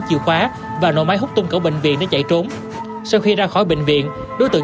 chìu khóa và nội máy hút tung cổ bệnh viện để chạy trốn sau khi ra khỏi bệnh viện đối tượng